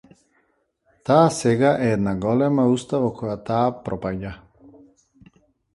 Таа сега е една голема уста во која таа пропаѓа.